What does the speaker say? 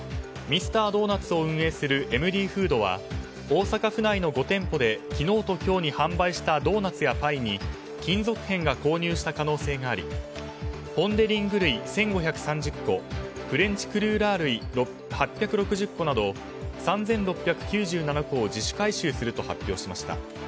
ミスタードーナツを運営するエムディフードは大阪府内の５店舗で昨日と今日に販売したドーナツやパイに金属片が購入した可能性がありポン・デ・リング類１５３０個フレンチクルーラー類８６５個など３６９７個を自主回収すると発表しました。